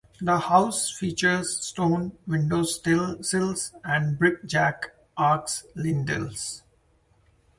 The house features stone window sills and brick jack arch lintels.